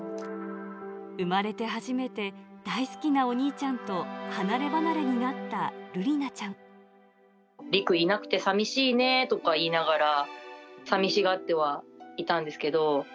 生まれて初めて大好きなお兄ちゃんと離れ離れになったるりなちゃりくいなくてさみしいねとか言いながら、さみしがってはいたんですけど。